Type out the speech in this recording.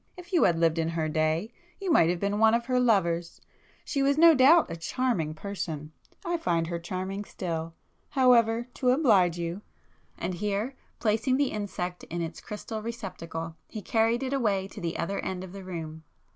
If you had lived in her day, you might have been one of her lovers! She was no doubt a charming person,—I find her charming still! However, to oblige you—" and here, placing the insect in its crystal receptacle he carried it away to the other end of the room.